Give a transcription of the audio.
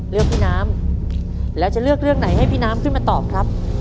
เลือกพี่น้ำแล้วจะเลือกเรื่องไหนให้พี่น้ำขึ้นมาตอบครับ